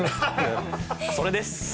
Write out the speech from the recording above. それです！